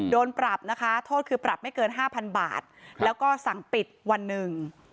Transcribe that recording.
โดนปรับนะคะโทษคือปรับไม่เกินห้าพันบาทแล้วก็สั่งปิดวันหนึ่ง